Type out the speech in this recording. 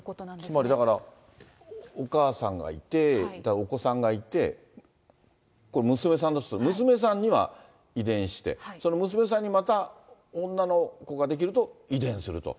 つまりだから、お母さんがいて、お子さんがいて、これ、娘さんだとすると、娘さんには遺伝して、その娘さんにまた女の子ができると遺伝すると。